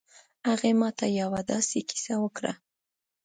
هغې ما ته یو ه داسې کیسه وکړه